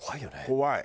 怖い。